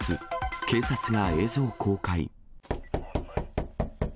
警察が映像公開。